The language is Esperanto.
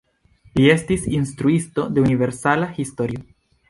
Li estis instruisto de universala historio.